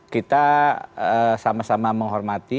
kita sama sama menghormati